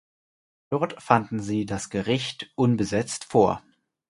Dort fanden sie das Gericht unbesetzt vor.